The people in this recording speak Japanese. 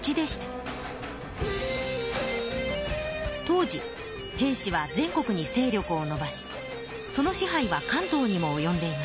当時平氏は全国に勢力をのばしその支配は関東にもおよんでいました。